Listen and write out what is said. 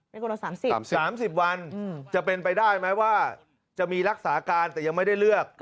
คนละ๓๐๓๐วันจะเป็นไปได้ไหมว่าจะมีรักษาการแต่ยังไม่ได้เลือก